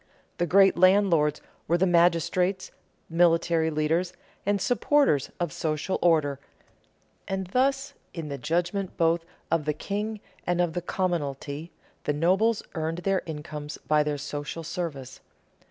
The great landlords were the magistrates, military leaders, and supporters of social order, and thus, in the judgment both of the king and of the commonalty, the nobles earned their incomes by their social service.